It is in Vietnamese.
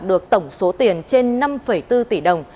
được tổng số tiền trên năm bốn tỷ đồng